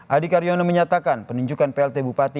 adi karyono menyatakan penunjukan plt bupati